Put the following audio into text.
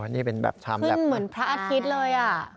อ๋อนี่เป็นแบบทายมแลปขึ้นเหมือนพระอาทิตย์เลยอ่ะ